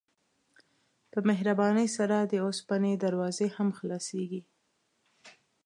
په مهربانۍ سره د اوسپنې دروازې هم خلاصیږي.